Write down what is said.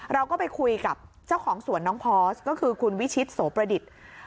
เราก็ไปคุยกับเจ้าของสวนน้องพอร์สก็คือคุณวิชิตโสประดิษฐ์